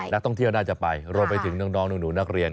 นักท่องเที่ยวน่าจะไปรวมไปถึงน้องหนูนักเรียน